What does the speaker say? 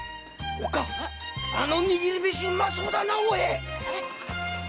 おっかああの握り飯うまそうだなあオイ！